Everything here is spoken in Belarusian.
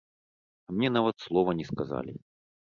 А мне нават слова не сказалі.